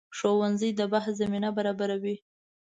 ښوونځی د بحث زمینه برابروي